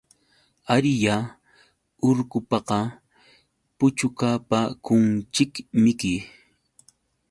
Ariyá urqupaqa puchukapakunchikmiki.